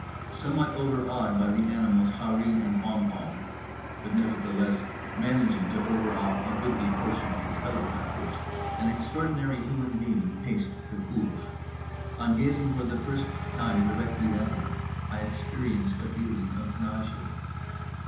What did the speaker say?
Somewhat overawed by the animals Harree and Pompom (but nevertheless managing to overawe a goodly portion of his fellow captives) an extraordinary human being paced the cour. On gazing for the first time directly at him I experienced a feeling of nausea.